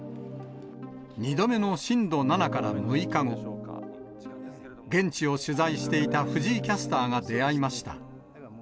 ２度目の震度７から６日後、現地を取材していた藤井キャスターが出会いました。